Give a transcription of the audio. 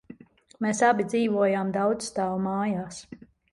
Mēs abi dzīvojām daudzstāvu mājās.